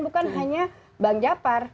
bukan hanya bank jafar